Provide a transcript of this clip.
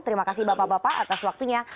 terima kasih bapak bapak atas waktunya